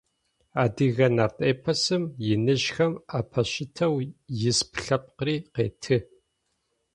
Адыгэ Нарт Эпосым иныжъхэм апыщытэу исп лъэпкъыри къеты.